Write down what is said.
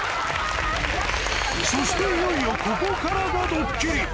そしていよいよ、ここからがドッキリ。